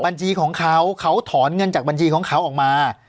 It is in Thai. บัญชีของเขาเขาถอนเงินจากบัญชีของเขาออกมา